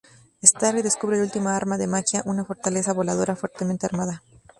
Stark descubre la última arma de Maggia: una fortaleza voladora fuertemente armada.